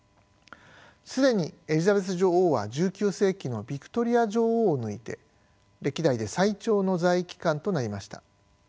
既にエリザベス女王は１９世紀のヴィクトリア女王を抜いて歴代で最長の在位期間となりました。